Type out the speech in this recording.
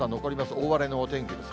大荒れのお天気です。